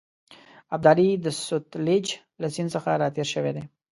ابدالي د سوتلیج له سیند څخه را تېر شوی دی.